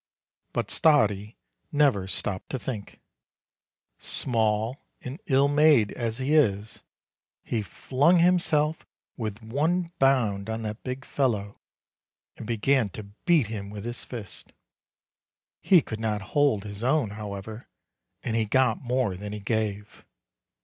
But Stardi never stopped to think. Small and ill made as he is, he flung himself with one bound on that big fellow, and began to beat him with his fists. He could not hold his own, however, and he got more than he gave.